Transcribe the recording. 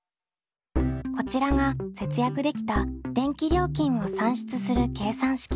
こちらが節約できた電気料金を算出する計算式。